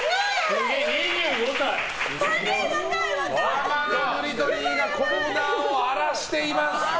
浜田ブリトニーがコーナーを荒らしています。